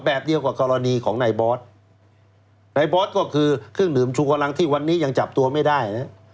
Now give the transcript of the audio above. แบบเดียวกับกรณีของนายบอสในบอสก็คือเครื่องดื่มชูกำลังที่วันนี้ยังจับตัวไม่ได้นะ